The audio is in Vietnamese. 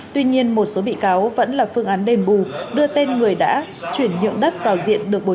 tuy nhiên một số bị cáo vẫn là phương án đền bù đưa tên người đã chuyển nhượng đất vào diện được bồi